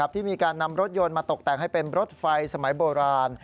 ที่มีการนำรถยนต์มาตกแต่งให้เป็นรถไฟสมัยโบราณ